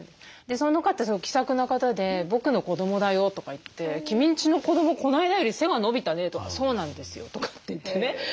その方気さくな方で「僕の子どもだよ」とかいって「君んちの子どもこの間より背が伸びたね」とか「そうなんですよ」とかって言ってね。